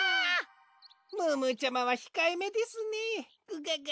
ムームーちゃまはひかえめですねグガガ。